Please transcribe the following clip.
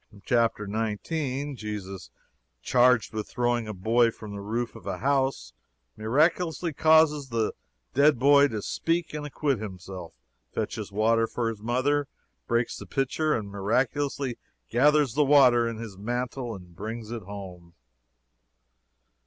"Chapter 19. Jesus, charged with throwing a boy from the roof of a house, miraculously causes the dead boy to speak and acquit him; fetches water for his mother, breaks the pitcher and miraculously gathers the water in his mantle and brings it home.